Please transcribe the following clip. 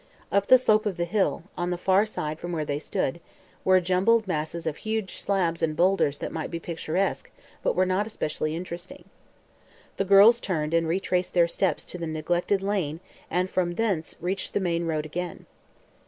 Up the slope of the hill, on the far side from where they stood, were jumbled masses of huge slabs and boulders that might be picturesque but were not especially interesting. The girls turned and retraced their steps to the neglected lane and from thence reached the main road again.